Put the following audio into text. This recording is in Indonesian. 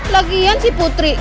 lagian sih putri